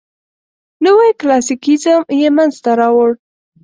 نوي کلاسیکیزم یې منځ ته راوړ.